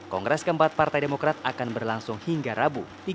kongres keempat partai demokrat akan berlangsung hingga rabu